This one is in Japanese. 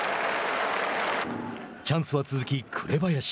チャンスは続き紅林。